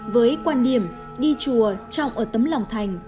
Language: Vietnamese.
với quan điểm đi chùa trọng ở tấm lòng thành